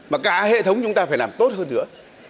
mà cả hệ thống chúng ta phải làm tốt hơn nữa